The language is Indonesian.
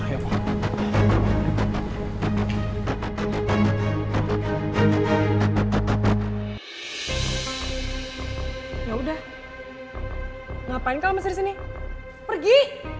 ya udah ngapain kamu masih disini pergi